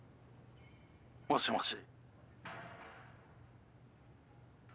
もしもし。